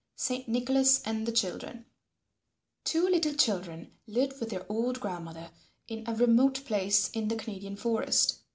SAINT NICHOLAS AND THE CHILDREN Two little children lived with their old grandmother in a remote place in the Canadian forest.